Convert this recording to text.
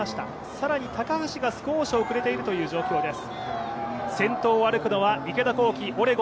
更に高橋が少し遅れているという状況です。